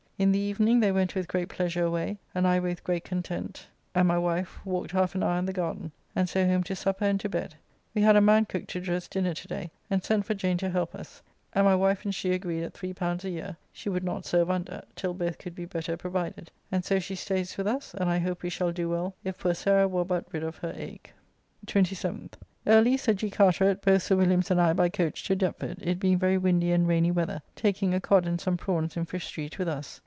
In the evening they went with great pleasure away, and I with great content and my wife walked half an hour in the garden, and so home to supper and to bed. We had a man cook to dress dinner to day, and sent for Jane to help us, and my wife and she agreed at L3 a year (she would not serve under) till both could be better provided, and so she stays with us, and I hope we shall do well if poor Sarah were but rid of her ague. 27th. Early Sir G. Carteret, both Sir Williams and I by coach to Deptford, it being very windy and rainy weather, taking a codd and some prawnes in Fish Street with us.